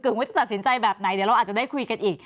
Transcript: ว่าจะตัดสินใจแบบไหนเดี๋ยวเราอาจจะได้คุยกันอีก